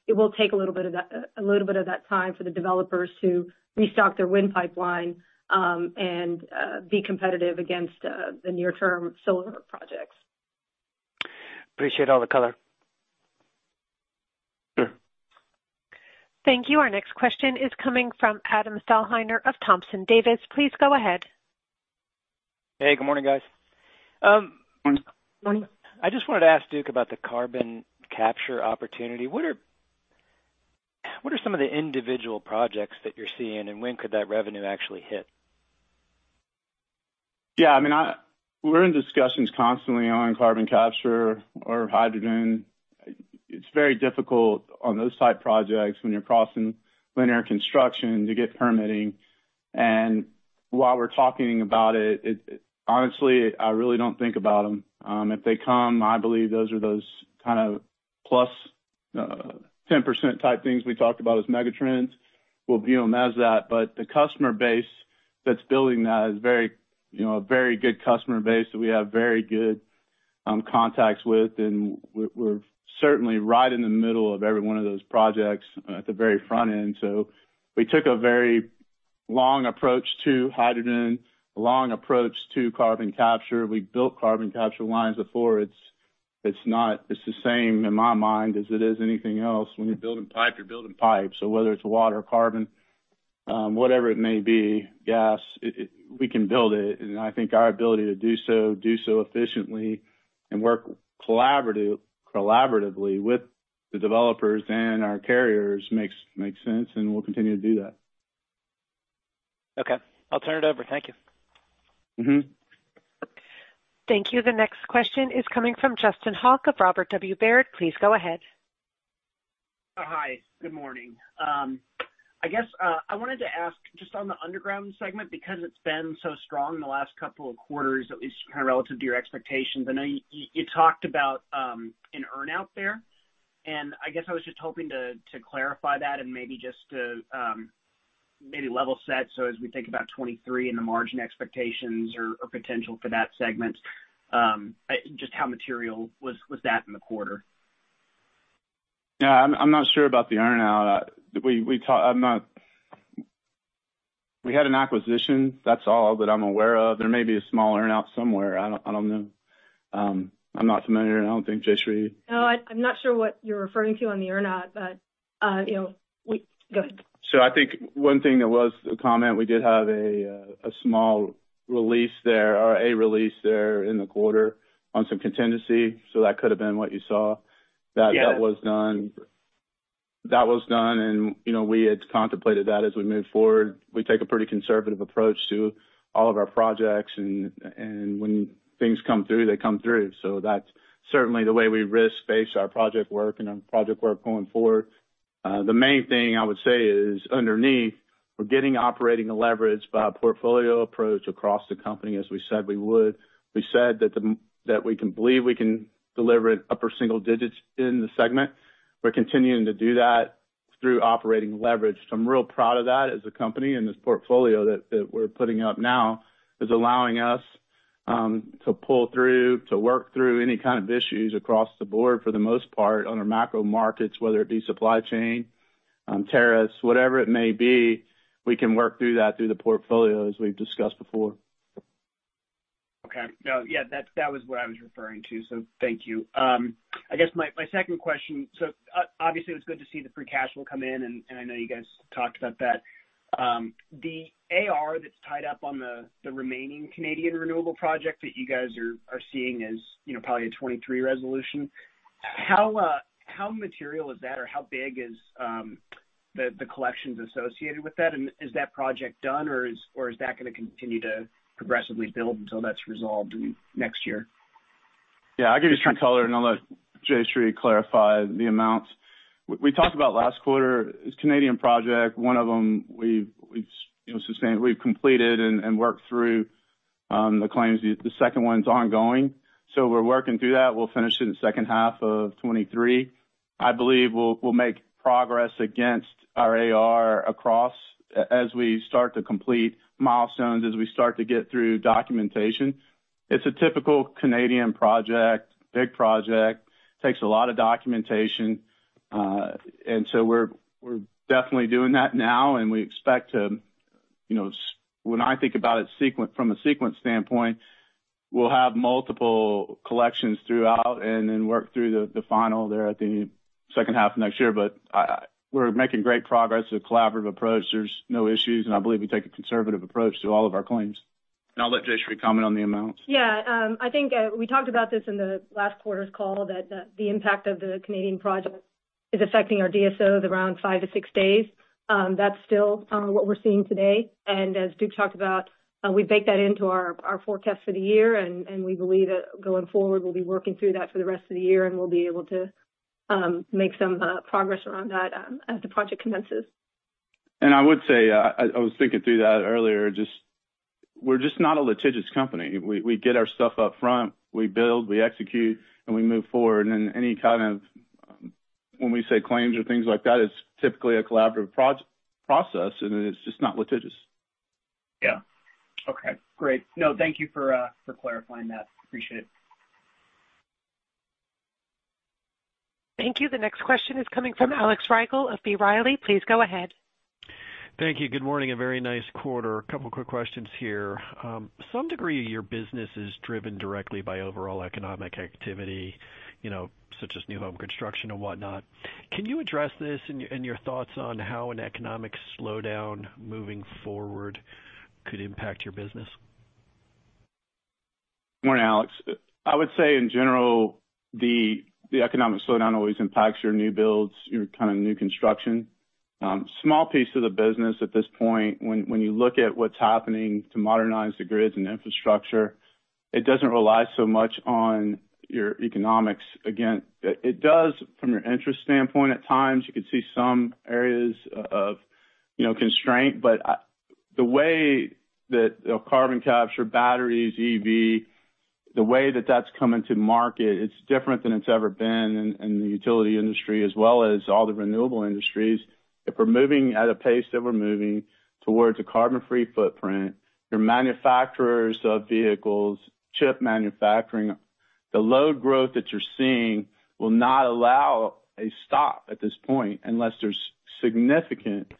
It will take a little bit of that time for the developers to restock their wind pipeline and be competitive against the near-term solar projects. Appreciate all the color. Thank you. Our next question is coming from Adam Thalhimer of Thompson Davis. Please go ahead. Hey, good morning, guys. Morning. Morning. I just wanted to ask Duke about the carbon capture opportunity. What are some of the individual projects that you're seeing, and when could that revenue actually hit? Yeah, I mean, we're in discussions constantly on carbon capture or hydrogen. It's very difficult on those type projects when you're crossing linear construction to get permitting. While we're talking about it, honestly, I really don't think about them. If they come, I believe those are the kind of +10% type things we talked about as megatrends. We'll view them as that. The customer base that's building that is very, you know, a very good customer base that we have very good contacts with, and we're certainly right in the middle of every one of those projects at the very front end. We took a very long approach to hydrogen, a long approach to carbon capture. We built carbon capture lines before. It's the same in my mind as anything else. When you're building pipe, you're building pipe. Whether it's water, carbon, whatever it may be, gas, we can build it. I think our ability to do so efficiently and work collaboratively with the developers and our carriers makes sense, and we'll continue to do that. Okay. I'll turn it over. Thank you. Mm-hmm. Thank you. The next question is coming from Justin Hauke of Robert W. Baird. Please go ahead. Hi. Good morning. I guess I wanted to ask just on the underground segment because it's been so strong in the last couple of quarters, at least kind of relative to your expectations. I know you talked about an earnout there, and I guess I was just hoping to clarify that and maybe just to maybe level set so as we think about 2023 and the margin expectations or potential for that segment, just how material was that in the quarter? Yeah, I'm not sure about the earn out. We had an acquisition. That's all that I'm aware of. There may be a small earn out somewhere. I don't know. I'm not familiar, and I don't think Jayshree- No, I'm not sure what you're referring to on the earn out, but you know, go ahead. I think one thing that was a comment, we did have a small release there or a release there in the quarter on some contingency. That could have been what you saw. Yeah. That was done and, you know, we had contemplated that as we move forward. We take a pretty conservative approach to all of our projects and when things come through, they come through. That's certainly the way we risk-based our project work and on project work going forward. The main thing I would say is underneath, we're getting operating leverage by our portfolio approach across the company, as we said we would. We said that we believe we can deliver it upper single-digits in the segment. We're continuing to do that through operating leverage. I'm real proud of that as a company, and this portfolio that we're putting up now is allowing us to pull through, to work through any kind of issues across the board for the most part on our macro markets, whether it be supply chain, tariffs, whatever it may be. We can work through that through the portfolio as we've discussed before. Okay. No, yeah, that was what I was referring to. Thank you. I guess my second question, obviously it was good to see the free cash flow come in, and I know you guys talked about that. The AR that's tied up on the remaining Canadian renewable project that you guys are seeing as, you know, probably a 2023 resolution. How material is that or how big is the collections associated with that? Is that project done or is that gonna continue to progressively build until that's resolved in next year? Yeah. I'll give you some color, and I'll let Jayshree clarify the amounts. We talked about last quarter, this Canadian project, one of them we've, you know, we've completed and worked through the claims. The second one's ongoing. We're working through that. We'll finish it in the second half of 2023. I believe we'll make progress against our AR across as we start to complete milestones, as we start to get through documentation. It's a typical Canadian project, big project, takes a lot of documentation. We're definitely doing that now and we expect to, you know when I think about it from a sequence standpoint, we'll have multiple collections throughout and then work through the final there at the second half of next year. We're making great progress, a collaborative approach. There's no issues, and I believe we take a conservative approach to all of our claims. I'll let Jayshree comment on the amounts. Yeah. I think we talked about this in the last quarter's call that the impact of the Canadian project is affecting our DSOs around five to six days. That's still what we're seeing today. As Duke talked about, we bake that into our forecast for the year and we believe that going forward, we'll be working through that for the rest of the year and we'll be able to make some progress around that as the project commences. I would say, I was thinking through that earlier, just we're just not a litigious company. We get our stuff up front, we build, we execute, and we move forward. Any kind of, when we say claims or things like that, it's typically a collaborative process, and it's just not litigious. Yeah. Okay. Great. No, thank you for clarifying that. Appreciate it. Thank you. The next question is coming from Alex Rygiel of B. Riley. Please go ahead. Thank you. Good morning. A very nice quarter. A couple quick questions here. Some degree of your business is driven directly by overall economic activity, you know, such as new home construction and whatnot. Can you address this and your thoughts on how an economic slowdown moving forward could impact your business? Morning, Alex. I would say in general, the economic slowdown always impacts your new builds, your kind of new construction. Small piece of the business at this point. When you look at what's happening to modernize the grids and infrastructure, it doesn't rely so much on your economics. Again, it does from your interest standpoint. At times, you could see some areas of, you know, constraint. The way that carbon capture, batteries, EV, the way that that's coming to market, it's different than it's ever been in the utility industry as well as all the renewable industries. If we're moving at a pace that we're moving towards a carbon-free footprint, your manufacturers of vehicles, chip manufacturing, the load growth that you're seeing will not allow a stop at this point unless there's significant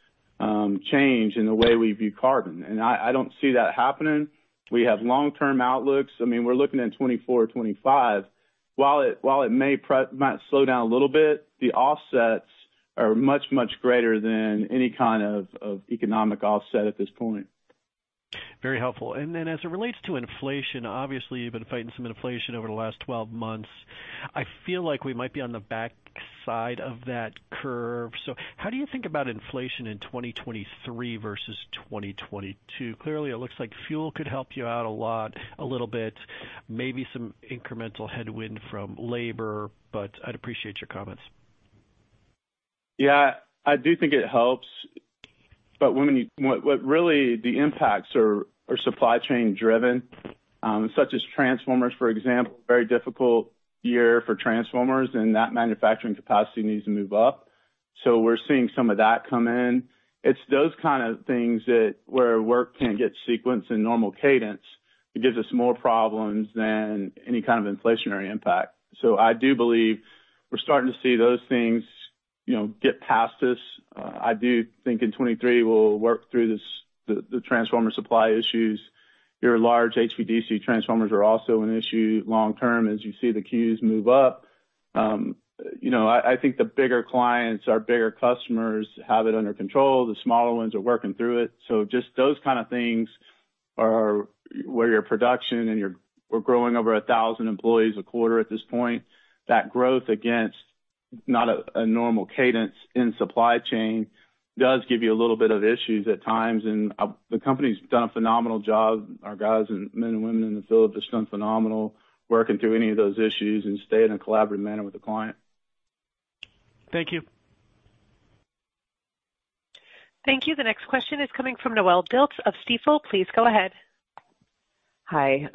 change in the way we view carbon. I don't see that happening. We have long-term outlooks. I mean, we're looking at 2024, 2025. While it might slow down a little bit, the offsets are much greater than any kind of economic offset at this point. Very helpful. Then as it relates to inflation, obviously you've been fighting some inflation over the last 12 months. I feel like we might be on the backside of that curve. How do you think about inflation in 2023 versus 2022? Clearly, it looks like fuel could help you out a lot, a little bit, maybe some incremental headwind from labor, but I'd appreciate your comments. Yeah. I do think it helps. What really the impacts are supply chain driven, such as transformers, for example, very difficult year for transformers, and that manufacturing capacity needs to move up. We're seeing some of that come in. It's those kind of things that where work can't get sequenced in normal cadence, it gives us more problems than any kind of inflationary impact. I do believe we're starting to see those things, you know, get past us. I do think in 2023 we'll work through this, the transformer supply issues. Your large HVDC transformers are also an issue long term as you see the queues move up. You know, I think the bigger clients, our bigger customers have it under control. The smaller ones are working through it. Just those kinda things are where we're growing over 1,000 employees a quarter at this point. That growth against not a normal cadence in supply chain does give you a little bit of issues at times. The company's done a phenomenal job. Our guys and men and women in the field have just done phenomenal working through any of those issues and stay in a collaborative manner with the client. Thank you. Thank you. The next question is coming from Noelle Dilts of Stifel. Please go ahead. Hi.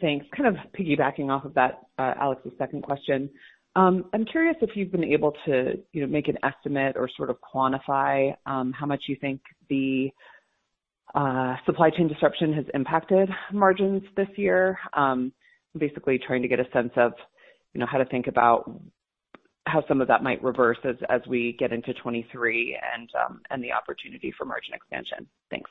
Thanks. Kind of piggybacking off of that, Alex's second question. I'm curious if you've been able to, you know, make an estimate or sort of quantify, how much you think the supply chain disruption has impacted margins this year. Basically trying to get a sense of, you know, how to think about how some of that might reverse as we get into 2023 and the opportunity for margin expansion. Thanks.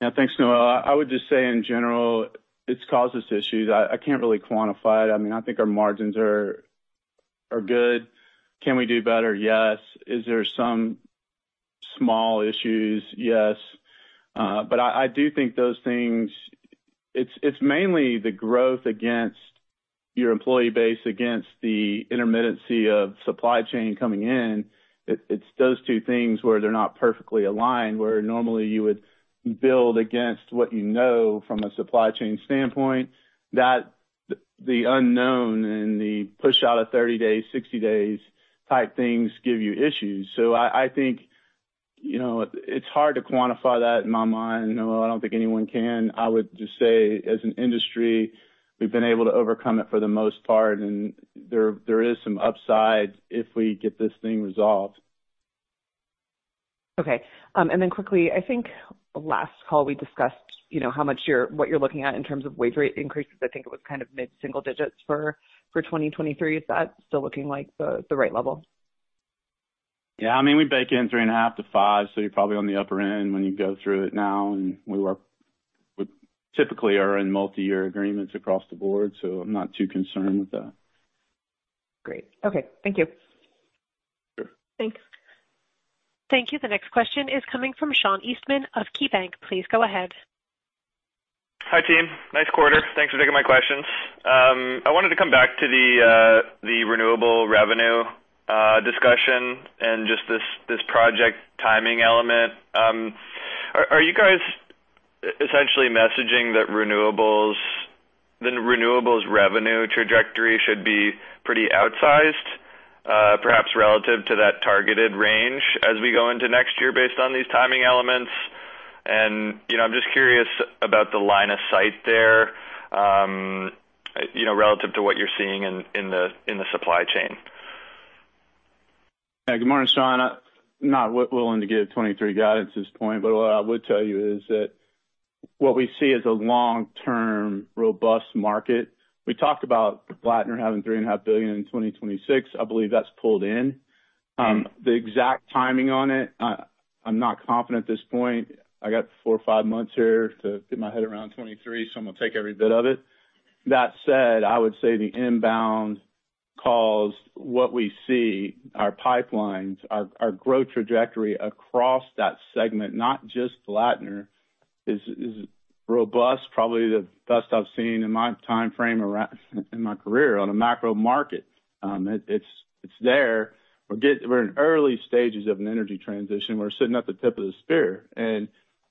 Yeah. Thanks, Noelle. I would just say in general, it's caused us issues. I can't really quantify it. I mean, I think our margins are good. Can we do better, yes. Is there small issues, yes. But I do think those things. It's mainly the growth against your employee base against the intermittency of supply chain coming in. It's those two things where they're not perfectly aligned, where normally you would build against what you know from a supply chain standpoint, that the unknown and the push out of 30 days, 60 days type things give you issues. I think, you know, it's hard to quantify that in my mind. You know, I don't think anyone can. I would just say, as an industry, we've been able to overcome it for the most part, and there is some upside if we get this thing resolved. Okay. Quickly, I think last call we discussed, you know, what you're looking at in terms of wage rate increases. I think it was kind of mid-single-digits for 2023. Is that still looking like the right level? Yeah. I mean, we bake in 3.5%-5%, so you're probably on the upper end when you go through it now. We work with, typically are in multi-year agreements across the board, so I'm not too concerned with that. Great. Okay. Thank you. Sure. Thanks. Thank you. The next question is coming from Sean Eastman of KeyBanc. Please go ahead. Hi, team. Nice quarter. Thanks for taking my questions. I wanted to come back to the renewable revenue discussion and just this project timing element. Are you guys essentially messaging that renewables revenue trajectory should be pretty outsized, perhaps relative to that targeted range as we go into next year based on these timing elements? You know, I'm just curious about the line of sight there, you know, relative to what you're seeing in the supply chain. Yeah. Good morning, Sean. I'm not willing to give 2023 guidance at this point, but what I would tell you is that what we see as a long-term robust market. We talked about Blattner having $3.5 billion in 2026. I believe that's pulled in. The exact timing on it, I'm not confident at this point. I got four or five months here to get my head around 2023, so I'm gonna take every bit of it. That said, I would say the inbound calls, what we see, our pipelines, our growth trajectory across that segment, not just Blattner, is robust, probably the best I've seen in my timeframe in my career on a macro market. It's there. We're in early stages of an energy transition. We're sitting at the tip of the spear.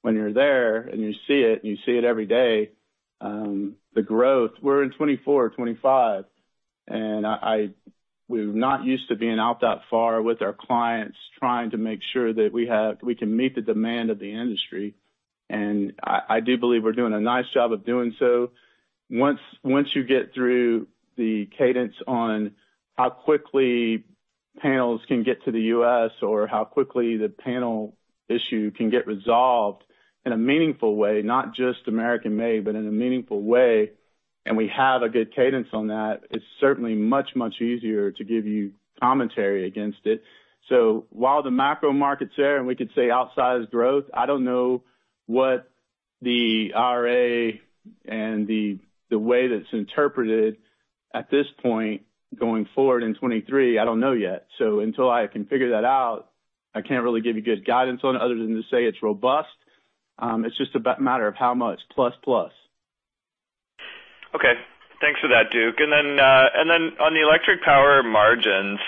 When you're there and you see it, and you see it every day, the growth, we're in 2024, 2025, and we're not used to being out that far with our clients, trying to make sure that we can meet the demand of the industry. I do believe we're doing a nice job of doing so. Once you get through the cadence on how quickly panels can get to the U.S. or how quickly the panel issue can get resolved in a meaningful way, not just American made, but in a meaningful way, and we have a good cadence on that, it's certainly much easier to give you commentary against it. While the macro market's there, and we could say outsized growth, I don't know what the IRA and the way that's interpreted at this point going forward in 2023, I don't know yet. Until I can figure that out, I can't really give you good guidance on it other than to say it's robust. It's just a matter of how much plus plus. Okay. Thanks for that, Duke. On the electric power margins,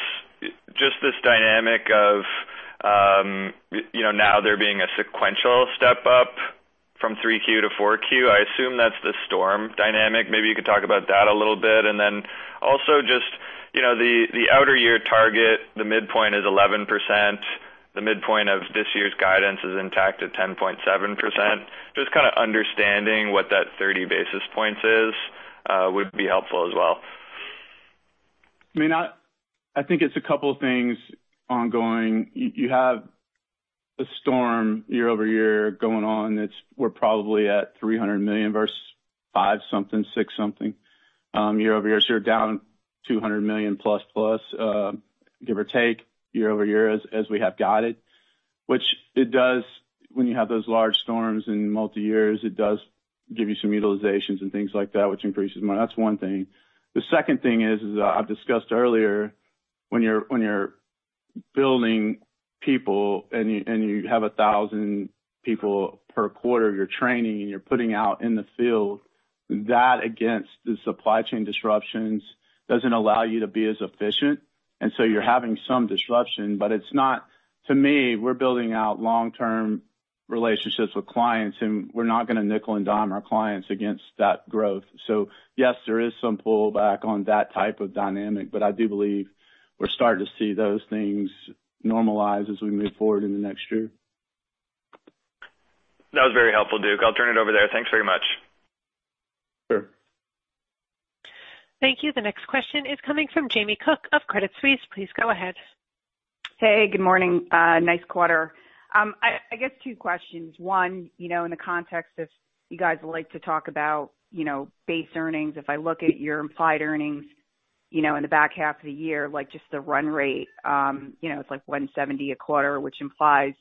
just this dynamic of, you know, now there being a sequential step up from 3Q to 4Q, I assume that's the storm dynamic. Maybe you could talk about that a little bit. Just, you know, the outer year target, the midpoint is 11%. The midpoint of this year's guidance is intact at 10.7%. Just kinda understanding what that 30 basis points is would be helpful as well. I mean, I think it's a couple things ongoing. You have a storm year-over-year going on. We're probably at $300 million versus 500-something, 600-something year-over-year. You're down $200 million plus plus give or take year-over-year as we have guided, which it does when you have those large storms in multi years. It does give you some utilizations and things like that, which increases money. That's one thing. The second thing is, as I've discussed earlier, when you're building people and you have 1,000 people per quarter you're training and you're putting out in the field, that against the supply chain disruptions doesn't allow you to be as efficient. You're having some disruption, but it's not. To me, we're building out long-term relationships with clients, and we're not gonna nickel and dime our clients against that growth. Yes, there is some pullback on that type of dynamic, but I do believe we're starting to see those things normalize as we move forward in the next year. That was very helpful, Duke. I'll turn it over there. Thanks very much. Sure. Thank you. The next question is coming from Jamie Cook of Credit Suisse. Please go ahead. Hey, good morning. Nice quarter. I guess two questions. One, you know, in the context of you guys like to talk about, you know, base earnings. If I look at your implied earnings, you know, in the back half of the year, like just the run rate, you know, it's like $170 million a quarter, which implies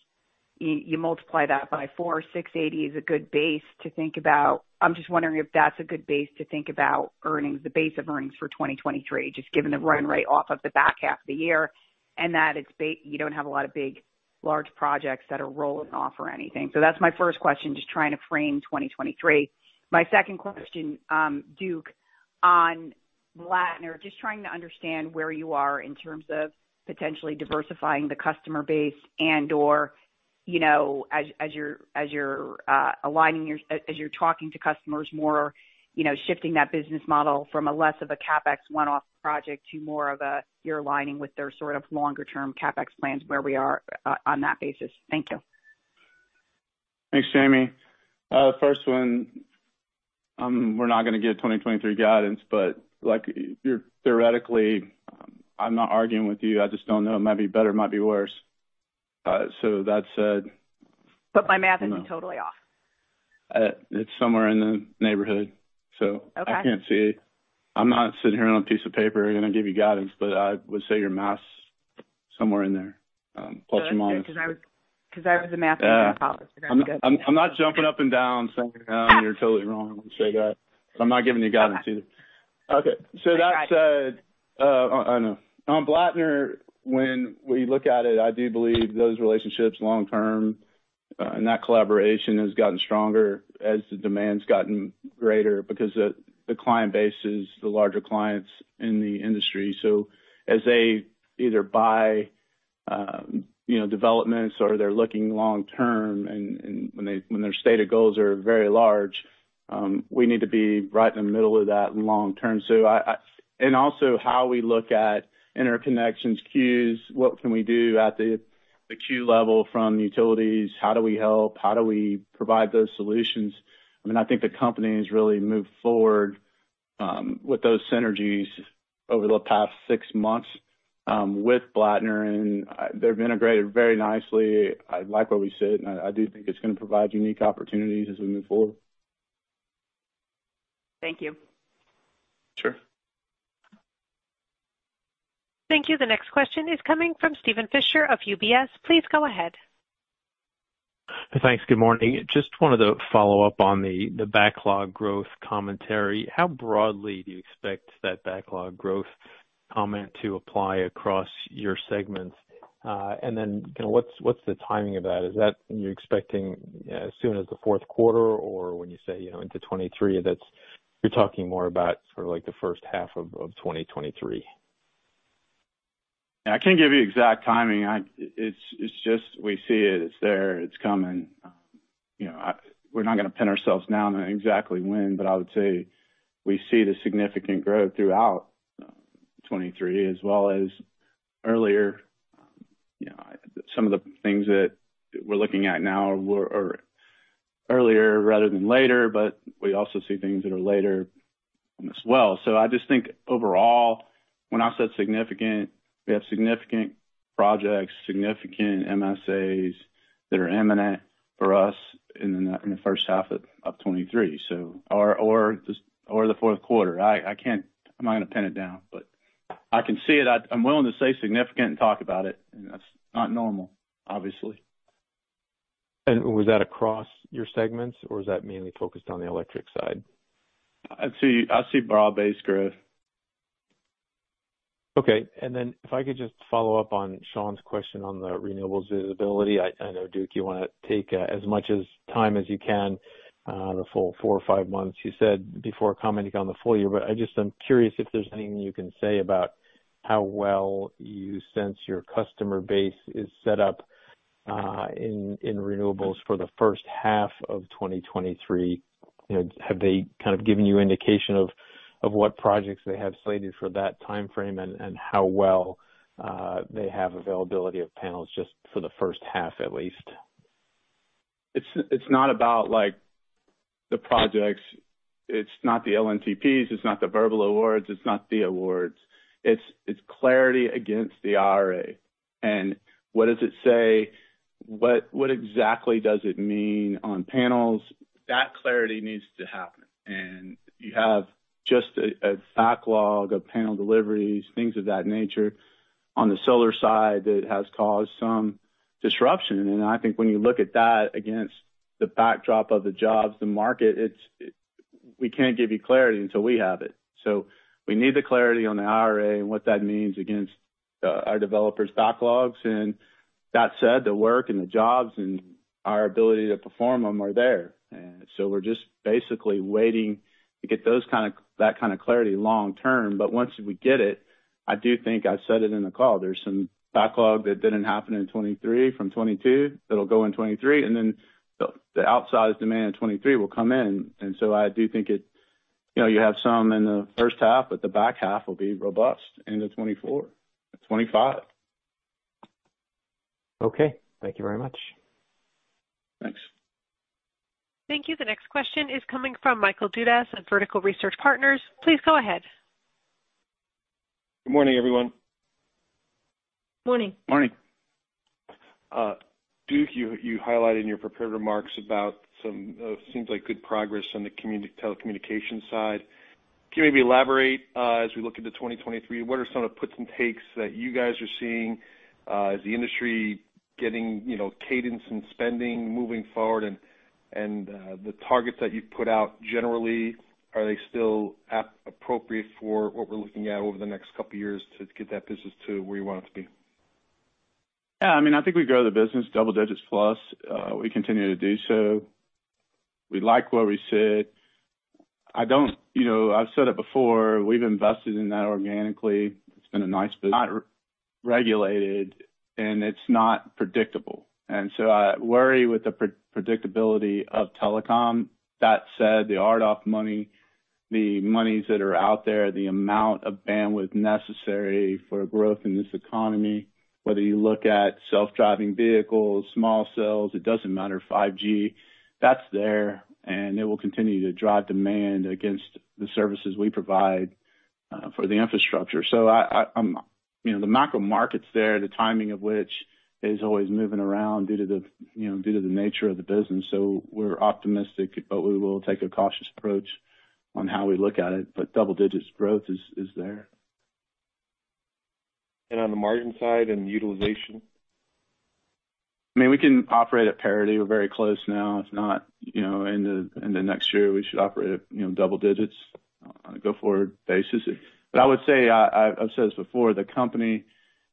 you multiply that by four, $680 million is a good base to think about. I'm just wondering if that's a good base to think about earnings, the base of earnings for 2023, just given the run rate off of the back half of the year and that you don't have a lot of big large projects that are rolling off or anything. So that's my first question, just trying to frame 2023. My second question, Duke, on Blattner. Just trying to understand where you are in terms of potentially diversifying the customer base and/or, you know, as you're talking to customers more, you know, shifting that business model from less of a CapEx one-off project to more of a you're aligning with their sort of longer term CapEx plans where we are on that basis. Thank you. Thanks, Jamie. First one, we're not gonna give 2023 guidance, but, like, you're theoretically, I'm not arguing with you, I just don't know. It might be better, it might be worse. That said. My math isn't totally off. It's somewhere in the neighborhood. Okay. I can't see. I'm not sitting here on a piece of paper and gonna give you guidance, but I would say your math's somewhere in there, plus or minus. 'Cause I was a math major in college. Yeah. I'm not jumping up and down saying you're totally wrong. Let me say that. I'm not giving you guidance either. Okay. That said. I tried. I know. On Blattner, when we look at it, I do believe those relationships long term, and that collaboration has gotten stronger as the demand's gotten greater because the client base is the larger clients in the industry. As they either buy, you know, developments or they're looking long term and when their stated goals are very large, we need to be right in the middle of that long term. Also how we look at interconnections, queues, what can we do at the queue level from utilities? How do we help? How do we provide those solutions? I mean, I think the company has really moved forward with those synergies over the past six months with Blattner, and they've integrated very nicely. I like where we sit, and I do think it's gonna provide unique opportunities as we move forward. Thank you. Sure. Thank you. The next question is coming from Steven Fisher of UBS. Please go ahead. Thanks. Good morning. Just wanted to follow up on the backlog growth commentary. How broadly do you expect that backlog growth comment to apply across your segments? And then kinda what's the timing of that? Is that you're expecting as soon as the fourth quarter or when you say, you know, into 2023, that's you're talking more about sort of like the first half of 2023? I can't give you exact timing. It's just we see it's there, it's coming. You know, we're not gonna pin ourselves down on exactly when, but I would say we see the significant growth throughout 2023 as well as earlier. You know, some of the things that we're looking at now were earlier rather than later, but we also see things that are later as well. I just think overall, when I said significant, we have significant projects, significant MSAs that are imminent for us in the first half of 2023, so or just the fourth quarter. I can't pin it down, but I can see it. I'm willing to say significant and talk about it, and that's not normal, obviously. Was that across your segments or is that mainly focused on the electric side? I'd see broad-based growth. Okay. If I could just follow up on Sean's question on the renewables visibility. I know, Duke, you wanna take as much time as you can, the full four or five months you said before commenting on the full-year. I just am curious if there's anything you can say about how well you sense your customer base is set up in renewables for the first half of 2023. You know, have they kind of given you indication of what projects they have slated for that timeframe and how well they have availability of panels just for the first half at least? It's not about like the projects. It's not the LNTPs, it's not the verbal awards, it's not the awards. It's clarity against the IRA. What does it say? What exactly does it mean on panels? That clarity needs to happen. You have just a backlog of panel deliveries, things of that nature on the solar side that has caused some disruption. I think when you look at that against the backdrop of the jobs, the market. We can't give you clarity until we have it. We need the clarity on the IRA and what that means against our developers' backlogs. That said, the work and the jobs and our ability to perform them are there. We're just basically waiting to get that kind of clarity long term. Once we get it, I do think I said it in the call. There's some backlog that didn't happen in 2023 from 2022 that'll go in 2023, and then the outsized demand in 2023 will come in. I do think it, you know, you have some in the first half, but the back half will be robust into 2024 and 2025. Okay. Thank you very much. Thanks. Thank you. The next question is coming from Michael Dudas at Vertical Research Partners. Please go ahead. Good morning, everyone. Morning. Morning. Duke, you highlighted in your prepared remarks about some seems like good progress on the telecommunication side. Can you maybe elaborate, as we look into 2023, what are some of the puts and takes that you guys are seeing? Is the industry getting, you know, cadence in spending moving forward and, the targets that you've put out generally, are they still appropriate for what we're looking at over the next couple years to get that business to where you want it to be? Yeah. I mean, I think we grow the business double-digits plus. We continue to do so. We like where we sit. You know, I've said it before, we've invested in that organically. It's been a nice business, not regulated, and it's not predictable. I worry with the predictability of telecom. That said, the RDOF money, the monies that are out there, the amount of bandwidth necessary for growth in this economy, whether you look at self-driving vehicles, small cells, it doesn't matter, 5G, that's there, and it will continue to drive demand against the services we provide for the infrastructure. You know, the macro market's there, the timing of which is always moving around due to the, you know, due to the nature of the business. We're optimistic, but we will take a cautious approach on how we look at it. Double-digit growth is there. On the margin side and utilization? I mean, we can operate at parity. We're very close now. If not, you know, end of next year, we should operate at, you know, double-digits on a go-forward basis. I would say, I've said this before, the company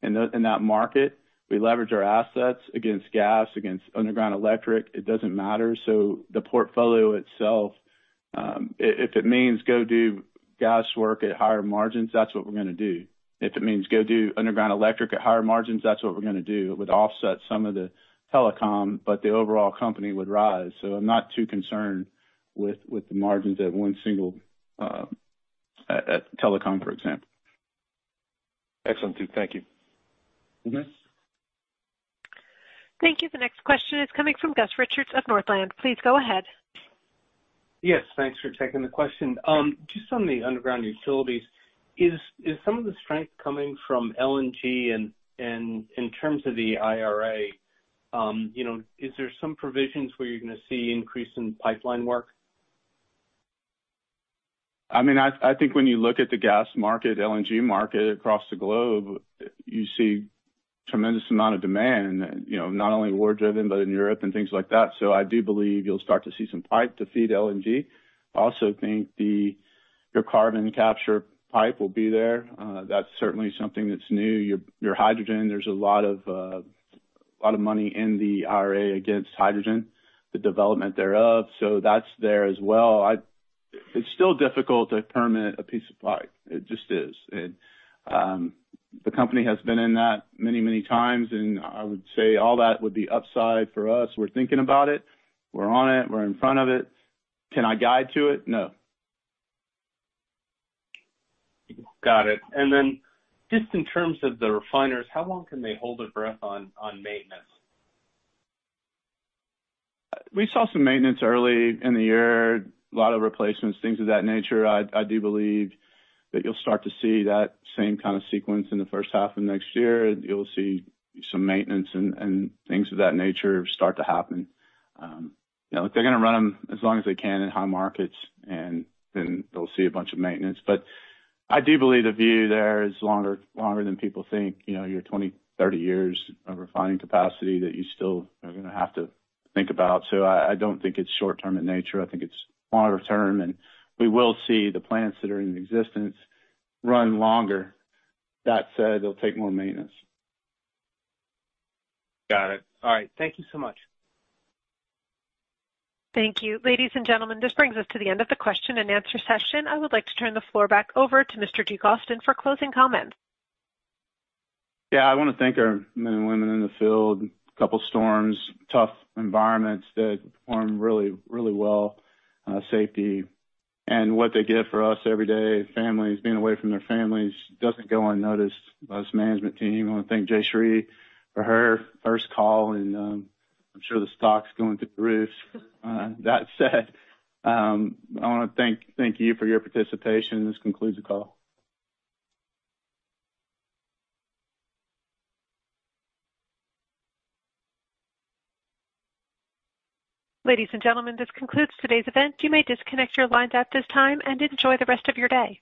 in that market, we leverage our assets against gas, against underground electric, it doesn't matter. The portfolio itself, if it means go do gas work at higher margins, that's what we're gonna do. If it means go do underground electric at higher margins, that's what we're gonna do. It would offset some of the telecom, but the overall company would rise. I'm not too concerned with the margins at one single at telecom, for example. Excellent, Duke. Thank you. Mm-hmm. Thank you. The next question is coming from Gus Richard of Northland. Please go ahead. Yes, thanks for taking the question. Just on the underground utilities, is some of the strength coming from LNG? In terms of the IRA, you know, is there some provisions where you're gonna see increase in pipeline work? I mean, I think when you look at the gas market, LNG market across the globe, you see tremendous amount of demand, you know, not only war driven, but in Europe and things like that. I do believe you'll start to see some pipe to feed LNG. I also think your carbon capture pipe will be there. That's certainly something that's new. Your hydrogen, there's a lot of money in the IRA against hydrogen, the development thereof. That's there as well. It's still difficult to permit a piece of pipe. It just is. The company has been in that many times, and I would say all that would be upside for us. We're thinking about it. We're on it. We're in front of it. Can I guide to it? No. Got it. Just in terms of the refiners, how long can they hold their breath on maintenance? We saw some maintenance early in the year, a lot of replacements, things of that nature. I do believe that you'll start to see that same kind of sequence in the first half of next year. You'll see some maintenance and things of that nature start to happen. You know, they're gonna run them as long as they can in high markets, and then they'll see a bunch of maintenance. I do believe the view there is longer than people think. You know, 20-30 years of refining capacity that you still are gonna have to think about. I don't think it's short term in nature. I think it's longer term, and we will see the plants that are in existence run longer. That said, they'll take more maintenance. Got it. All right. Thank you so much. Thank you. Ladies and gentlemen, this brings us to the end of the question-and-answer session. I would like to turn the floor back over to Mr. Duke Austin for closing comments. Yeah. I wanna thank our men and women in the field. A couple storms, tough environments that perform really, really well. Safety and what they give for us every day, families, being away from their families doesn't go unnoticed by us management team. I wanna thank Jayshree Desai for her first call, and I'm sure the stock's going through the roof. That said, I wanna thank you for your participation. This concludes the call. Ladies and gentlemen, this concludes today's event. You may disconnect your lines at this time and enjoy the rest of your day.